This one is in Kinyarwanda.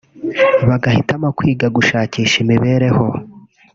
bagahitamo kwigira gushakisha imibereho